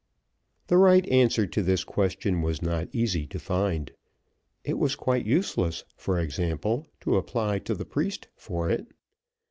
The right answer to this question was not easy to find. It was quite useless, for example, to apply to the priest for it.